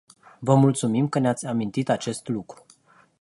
Vă mulțumim că ne-ați amintit acest lucru.